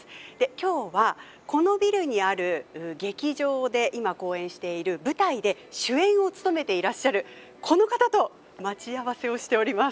今日はこのビルにある劇場で今公演している舞台で主演を務めていらっしゃるこの方と待ち合わせをしております。